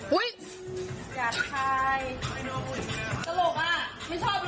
หุ้ยอย่าถ่ายสลบอ่ะไม่ชอบเลยอ่ะ